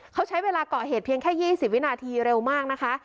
เขาใช้เวลาก่อเหตุเพียงแค่๒๐วินาทีเร็วมากนะคะ